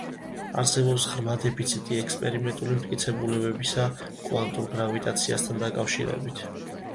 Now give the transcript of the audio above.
არსებობს ღრმა დეფიციტი ექსპერიმენტული მტკიცებულებებისა კვანტურ გრავიტაციასთან დაკავშირებით.